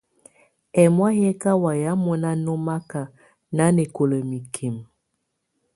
Ɛ̀mɔ̀á yɛ̀ kà wayɛ̀á mɔ̀na nɔmaka nanɛkɔla mikimǝ.